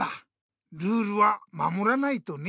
ルールはまもらないとね！